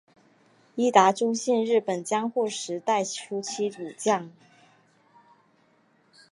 伊达宗信日本江户时代初期武将。